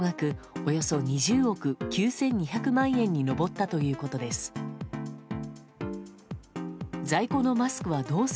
およそ２０億９２００万円に上ったということです。